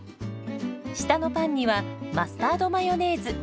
下のパンにはマスタードマヨネーズ。